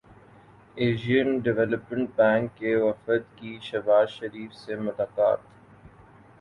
Asian development bank کے وفد کی شہباز شریف سے ملاقات